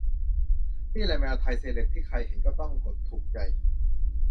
นี่แหละแมวไทยเซเลบ ที่ใครเห็นก็ต้องกดถูกใจ